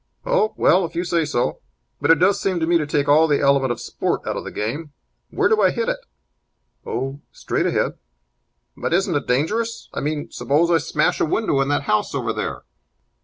"Oh, well, if you say so. But it seems to me to take all the element of sport out of the game. Where do I hit it?" "Oh, straight ahead." "But isn't it dangerous? I mean, suppose I smash a window in that house over there?"